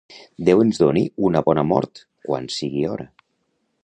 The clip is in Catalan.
Déu ens doni una bona mort, quan sigui hora.